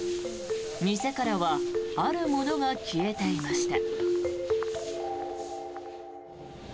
店からはあるものが消えていました。